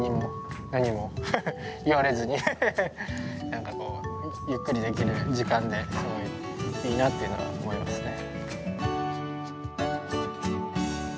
なんか、こうゆっくりできる時間ですごいいいなっていうのは思いますね。